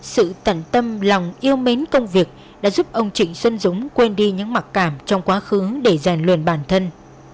sự tận tâm lòng yêu mến công việc đã giúp ông trịnh xuân dũng quên đi những mặc cảm trong quá khứ để rèn luyện bản thân